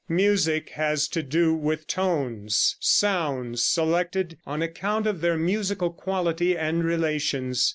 Music has to do with tones, sounds selected on account of their musical quality and relations.